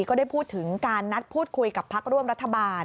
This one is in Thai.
ก็ได้พูดถึงการนัดพูดคุยกับพักร่วมรัฐบาล